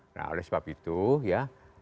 nah oleh sebab itu ya